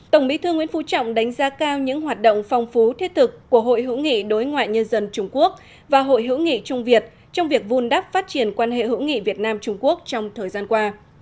tổng bí thư nguyễn phú trọng đánh giá cao những hoạt động phong phú thiết thực của hội hữu nghị đối ngoại nhân dân trung quốc và hội hữu nghị trung việt trong việc vun đắp phát triển quan hệ hữu nghị việt nam trung quốc trong thời gian qua